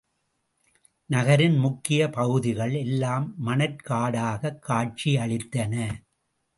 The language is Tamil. நகரின் முக்கிய பகுதிகள் எல்லாம் மணற்காடாகக் காட்சியளித்தன.